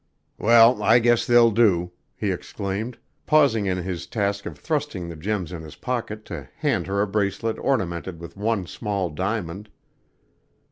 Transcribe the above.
"Well, I guess they'll do," he exclaimed, pausing in his task of thrusting the gems in his pocket to hand her a bracelet ornamented with one small diamond.